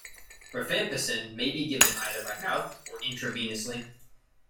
Rifampicin may be given either by mouth or intravenously.